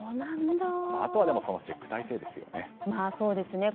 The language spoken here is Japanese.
あとは、チェック体制ですよね。